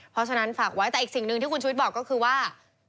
เพราะฉะนั้นฝากไว้แต่อีกสิ่งหนึ่งที่คุณชุวิตบอกก็คือว่า